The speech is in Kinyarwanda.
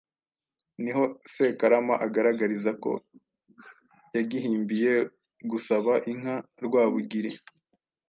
niho Sekarama agaragariza ko yagihimbiye gusaba inka Rwabugili;